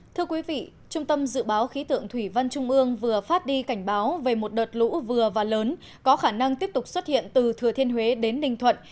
thưa quý vị trung tâm dự báo khí tượng thủy văn trung ương vừa phát đi cảnh báo về một đợt lũ vừa và lớn có khả năng tiếp tục xuất hiện từ thừa thiên huế đến ninh thuận